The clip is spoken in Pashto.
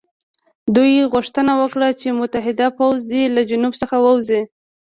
دوی غوښتنه وکړه چې متحد پوځ دې له جنوب څخه ووځي.